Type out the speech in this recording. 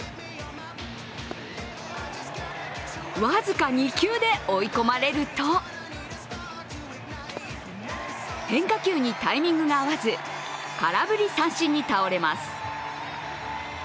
僅か２球で追い込まれると変化球にタイミングが合わず空振り三振に倒れます。